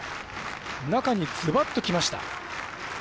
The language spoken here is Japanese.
中に、ずばっときました。